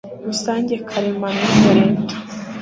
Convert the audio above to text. rusange karemano ya leta